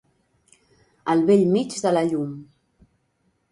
Al bell mig de la llum.